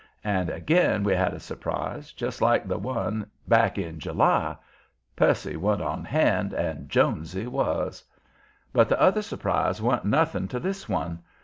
And again we had a surprise, just like the one back in July. Percy wa'n't on hand, and Jonesy was. But the other surprise wa'n't nothing to this one.